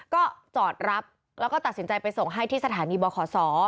ก็จอดรับแล้วก็ตัดสินใจไปส่งให้ที่สถานีบขศ